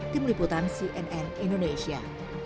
tim liputan cnn indonesia